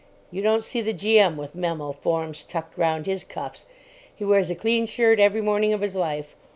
(You don't see the G.M. with memo. forms tucked round his cuffs: he wears a clean shirt every morning of his life.